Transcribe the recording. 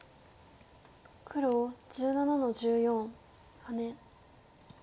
黒１７の十四ハネ。